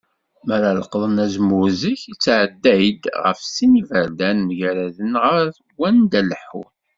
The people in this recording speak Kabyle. Mi ara leqḍen azemmur zik, yettεedday-d γef sin n yiberdan, mgaraden, γer wanda leḥḥun.